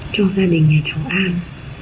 cho gia đình nhà cháu an